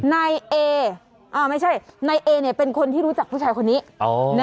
นายเอไม่ใช่นายเอเป็นคนที่รู้จักผู้ชายคนนี้